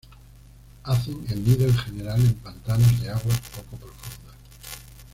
Hacen el nido en general en pantanos de aguas poco profundas.